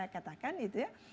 katakan itu ya